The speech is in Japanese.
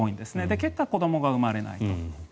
結果、子どもが産まれない。